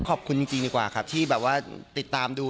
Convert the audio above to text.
ขอบคุณจริงดีกว่าครับที่แบบว่าติดตามดู